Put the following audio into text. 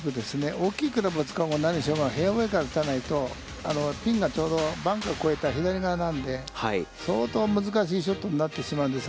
大きいクラブを使おうが何しようがフェアウェイから打たないと、ピンがちょうどバンカーを越えた左側なんで、相当難しいショットになってしまうんですよ